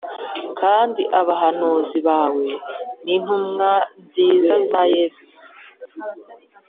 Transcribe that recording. Kandi abahanuzi bawe n’intumwa nziza za yesu